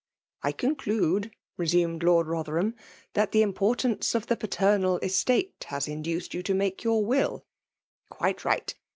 ''I condude," resumed Lard Botberbam, tbat tbe importance of tbe paternal estate bas induced you to make your wiU? — Quite ligbt.